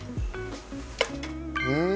うん！